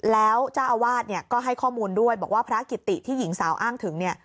แล้วเจ้าอาวาสเนี่ยก็ให้ข้อมูลด้วยบอกว่าพระกิติที่หญิงสาวอ้างถึงเนี่ย